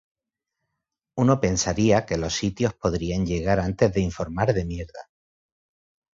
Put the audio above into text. Uno pensaría que los sitios podrían llegar antes de informar de mierda".